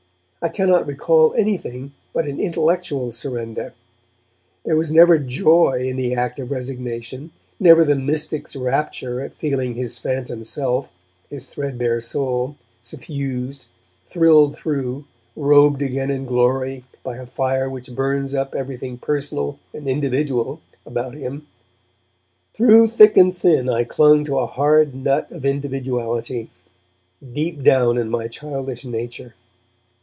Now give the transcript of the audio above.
I cannot recall anything but an intellectual surrender; there was never joy in the act of resignation, never the mystic's rapture at feeling his phantom self, his own threadbare soul, suffused, thrilled through, robed again in glory by a fire which burns up everything personal and individual about him. Through thick and thin I clung to a hard nut of individuality, deep down in my childish nature.